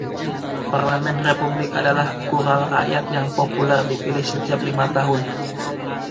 Parlemen Republik adalah Khural Rakyat, yang populer dipilih setiap lima tahun.